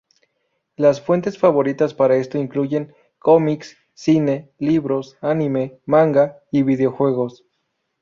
Las fuentes favoritas para esto incluyen cómics, cine, libros, anime, manga y videojuegos.